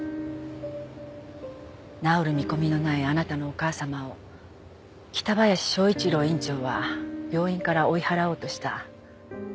治る見込みのないあなたのお母様を北林昭一郎院長は病院から追い払おうとした。